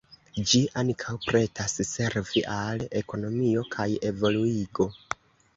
Ĝi ankaŭ pretas servi al ekonomio kaj evoluigo.